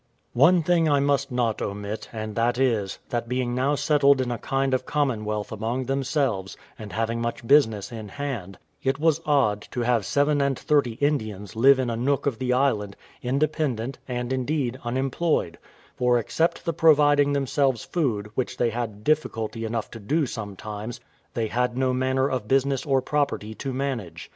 One thing I must not omit, and that is, that being now settled in a kind of commonwealth among themselves, and having much business in hand, it was odd to have seven and thirty Indians live in a nook of the island, independent, and, indeed, unemployed; for except the providing themselves food, which they had difficulty enough to do sometimes, they had no manner of business or property to manage.